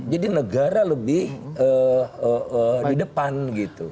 jadi negara lebih di depan gitu